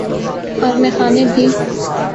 اور میخانے بھی۔